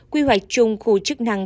quy hoạch chung khu chức năng